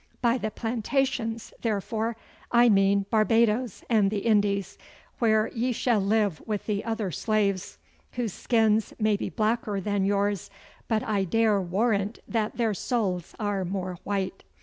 By the Plantations, therefore, I mean Barbadoes and the Indies, where ye shall live with the other slaves, whose skins may be blacker than yours, but I dare warrant that their souls are more white.